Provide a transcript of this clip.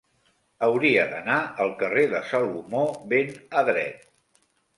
Hauria d'anar al carrer de Salomó ben Adret